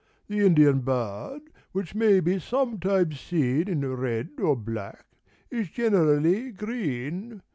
The Indian bird, which may be sometimes seen In red or black, is generally green.